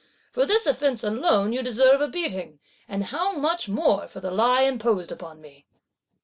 for this offence alone you deserve a beating, and how much more for the lie imposed upon me."